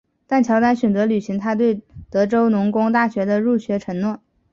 但乔丹选择履行他对德州农工大学的入学承诺。